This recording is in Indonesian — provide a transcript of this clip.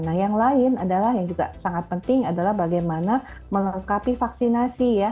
nah yang lain adalah yang juga sangat penting adalah bagaimana melengkapi vaksinasi ya